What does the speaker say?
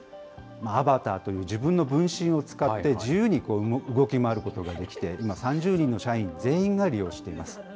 アバターという自分の分身を使って、自由に動き回ることができて、今３０人の社員全員が利用しています。